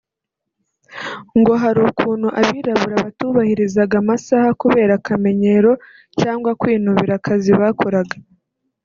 Ngo hari ukuntu abirabura batubahirizaga amasaha kubera akamenyero cyangwa kwinubira akazi bakoraga